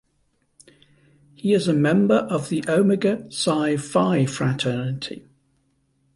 He is a member of the Omega Psi Phi fraternity.